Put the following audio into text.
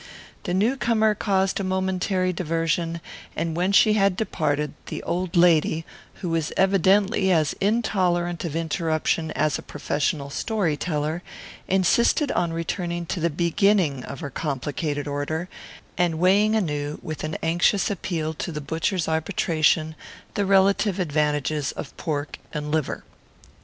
The newcomer caused a momentary diversion, and when she had departed the old lady, who was evidently as intolerant of interruption as a professional story teller, insisted on returning to the beginning of her complicated order, and weighing anew, with an anxious appeal to the butcher's arbitration, the relative advantages of pork and liver.